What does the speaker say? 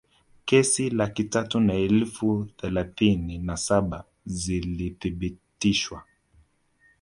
Kesi laki tatu na elfu thelathini na saba zilithibitishwa